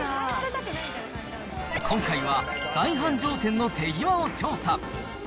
今回は大繁盛店の手際を調査。